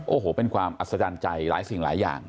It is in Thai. โอ้โหเป็นความอัศจรรย์ใจหลายสิ่งหลายอย่าง